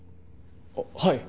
あっはい。